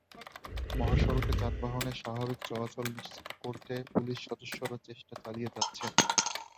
মহাসড়কে যানবাহনের স্বাভাবিক চলাচল নিশ্চিত করতে পুলিশ সদস্যরা চেষ্টা চালিয়ে যাচ্ছেন।